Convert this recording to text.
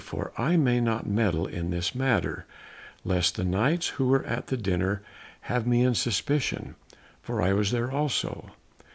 for I may not meddle in this matter lest the Knights who were at the dinner have me in suspicion, for I was there also.